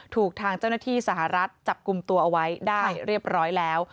ถูกทางเจ้าหน้าที่สหรัฐจับกลุ่มตัวเอาไว้ได้เรียบร้อยแล้ว